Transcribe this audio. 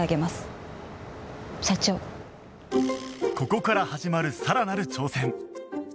ここから始まるさらなる挑戦